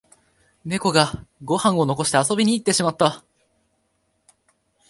ネコがご飯を残して遊びに行ってしまった